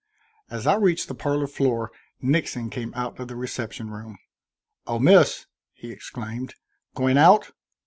As I reached the parlor floor Nixon came out of the reception room. "Oh, Miss!" he exclaimed, "going out?"